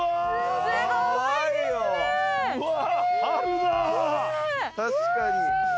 確かに。